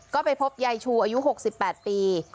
ก็ไปพบยายชูอายุ๖๘ปี